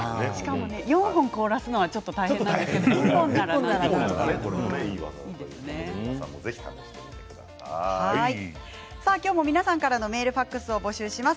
４本凍らせるのは大変なので１本ならね。今日も皆さんからのメールファックスを募集します。